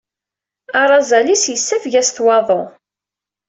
Arazal-is yessafeg-as-t waḍu.